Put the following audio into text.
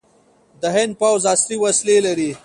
د هند پوځ عصري وسلې لري.